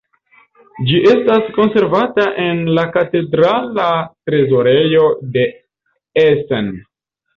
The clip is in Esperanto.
Ĝi estas konservata en la katedrala trezorejo de Essen.